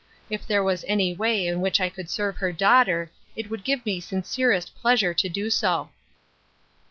If there was any way in which I could serve her daughter it would give me sincerest pleasure to do so."